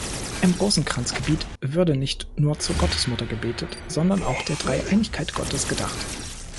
Im Rosenkranzgebet würde nicht nur zur Gottesmutter gebetet, sondern auch der „Dreieinigkeit Gottes“ gedacht.